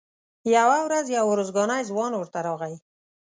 یوه ورځ یو ارزګانی ځوان ورته راغی.